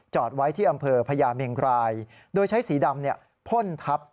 ไว้ที่อำเภอพญาเมงรายโดยใช้สีดำพ่นทับ